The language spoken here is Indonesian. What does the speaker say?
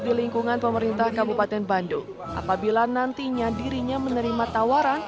di lingkungan pemerintah kabupaten bandung apabila nantinya dirinya menerima tawaran